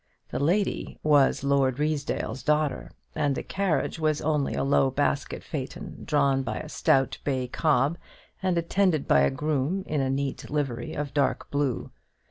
The lady was Lord Ruysdale's daughter; and the carriage was only a low basket phaeton, drawn by a stout bay cob, and attended by a groom in a neat livery of dark blue.